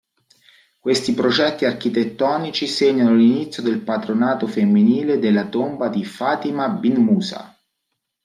Questi progetti architettonici segnano l'inizio del patronato femminile della tomba di Fatima bint Musa.